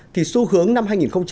thì xu hướng năm hai nghìn một mươi bảy